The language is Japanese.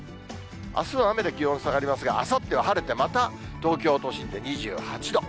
あすは雨で、気温下がりますが、あさっては晴れてまた東京都心で２８度。